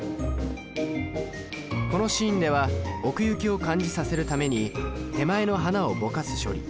このシーンでは奥行きを感じさせるために手前の花をぼかす処理